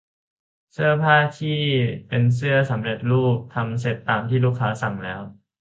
เสื้อผ้าที่เป็นเสื้อผ้าสำเร็จรูปทำเสร็จตามที่ลูกค้าสั่งแล้ว